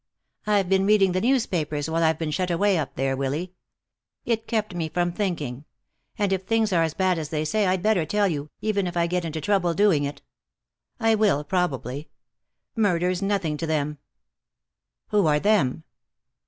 I've been reading the newspapers while I've been shut away up there, Willy. It kept me from thinking. And if things are as bad as they say I'd better tell you, even if I get into trouble doing it. I will, probably. Murder's nothing to them." "Who are 'them'?"